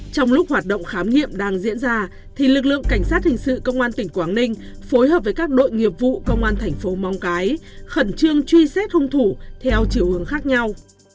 trong lúc hoạt động khám nghiệm đang diễn ra thì lực lượng cảnh sát hình sự công an tỉnh quảng ninh phối hợp với các đội nghiệp vụ công an thành phố móng cái khẩn trương truy xét hung thủ theo chiều hướng khác nhau